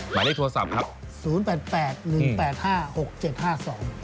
หมายได้โทรศัพท์ครับ๐๘๘๑๘๕๖๗๕๒